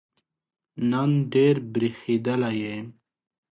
نن ډېر برېښېدلی یې